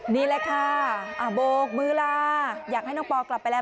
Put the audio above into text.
นี่แหละค่ะโบกมือลาอยากให้น้องปอกลับไปแล้ว